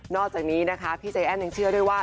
อกจากนี้นะคะพี่ใจแอ้นยังเชื่อด้วยว่า